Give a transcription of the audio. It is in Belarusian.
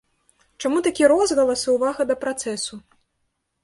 Чаму такі розгалас і ўвага да працэсу?